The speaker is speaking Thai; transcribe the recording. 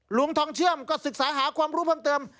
หลวงทองเชื่อมก็ศึกษาหาความรู้เพิ่มเติม